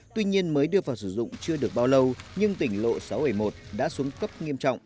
tuy nhiên mới đưa vào sử dụng chưa được bao lâu nhưng tỉnh lộ sáu trăm bảy mươi một đã xuống cấp nghiêm trọng